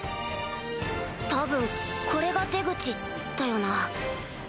多分これが出口だよな。